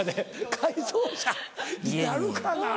改造車になるかな。